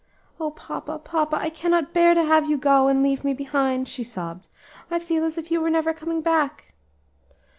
"O papa, papa! I cannot bear to have you go, and leave me behind," she sobbed. "I feel as if you were never coming back."